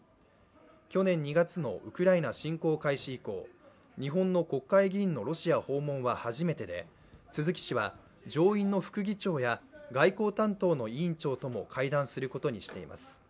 去年２月のウクライナ侵攻開始以降、日本の国会議員のロシア訪問は初めてで鈴木氏は上院の副議長や外交担当の委員長とも会談することにしています。